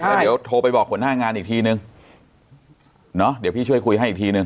แล้วเดี๋ยวโทรไปบอกหัวหน้างานอีกทีนึงเนาะเดี๋ยวพี่ช่วยคุยให้อีกทีหนึ่ง